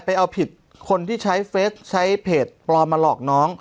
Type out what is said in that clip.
เอาผิดคนที่ใช้เฟสใช้เพจปลอมมาหลอกน้อง